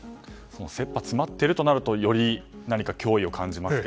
切羽詰まっているとなるとより脅威を感じますね。